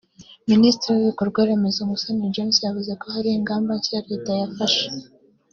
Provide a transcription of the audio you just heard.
Minisitiri w’ibikorwaremezo Musoni James yavuze ko hari ingamba nshya Leta yafashe